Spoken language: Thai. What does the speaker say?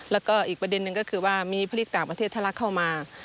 แล้วก็อีกประเด็นนึงก็คือว่ามีผลิตต่างประเทศทะลักเข้ามา